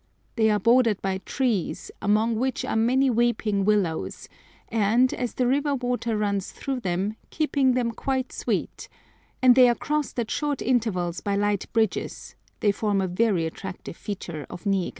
They are bordered by trees, among which are many weeping willows; and, as the river water runs through them, keeping them quite sweet, and they are crossed at short intervals by light bridges, they form a very attractive feature of Niigata.